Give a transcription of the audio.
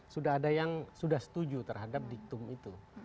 sudah ada yang sudah setuju terhadap diktum itu